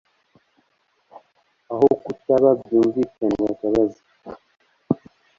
Aho kutaba byumvikane bakabaza